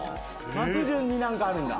松潤に何かあるんだ